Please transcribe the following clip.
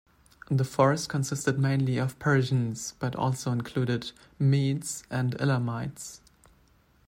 The force consisted mainly of Persians, but also included Medes and Elamites.